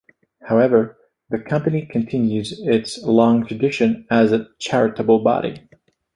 However, the Company continues its long tradition as a charitable body.